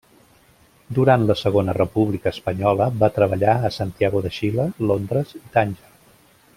Durant la Segona República Espanyola va treballar a Santiago de Xile, Londres i Tànger.